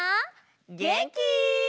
げんき？